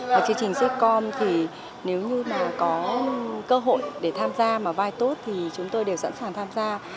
và chương trình sitcom thì nếu như mà có cơ hội để tham gia mà vai tốt thì chúng tôi đều sẵn sàng tham gia